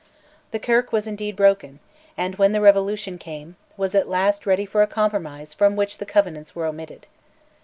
The Kirk was indeed broken, and, when the Revolution came, was at last ready for a compromise from which the Covenants were omitted.